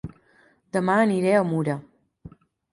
Dema aniré a Mura